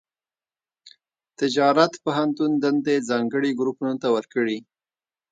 تجارت پوهنتون دندې ځانګړي ګروپونو ته ورکړي.